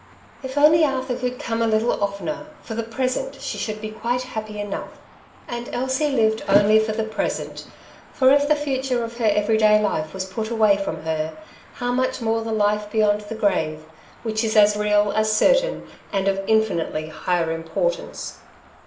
" If only Arthur could come a little oftener, for the present she should be quite happy enough.^' And Elsie Kved only for the present, for if the future of her every day life was put away from her, how much more the life beyond the grave, which is as real, as certain, and of infinitely higher importance.